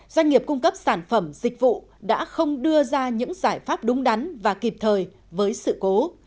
doanh nghiệp cung cấp sản phẩm dịch vụ đã không đưa ra những giải pháp đúng đắn và kịp thời với sự cố